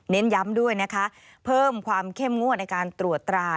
ย้ำด้วยนะคะเพิ่มความเข้มงวดในการตรวจตรา